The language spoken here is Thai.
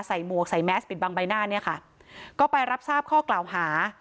หมวกใส่แมสปิดบังใบหน้าเนี่ยค่ะก็ไปรับทราบข้อกล่าวหา